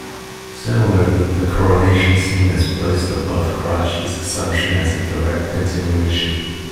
Similarly the Coronation scene is placed above Carracci's Assumption as a direct continuation.